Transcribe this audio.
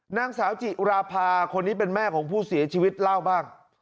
นางสาวจิราภาคนนี้เป็นแม่ของผู้เสียชีวิตเล่าบ้าง